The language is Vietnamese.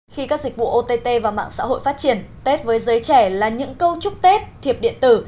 khi các dịch vụ ott và mạng xã hội phát triển tết với giới trẻ là những câu chúc tết thiệp điện tử